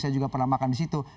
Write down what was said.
saya juga pernah makan di situ